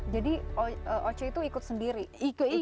jadi ocho itu ikut sendiri